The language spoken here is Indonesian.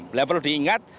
beliau perlu diingat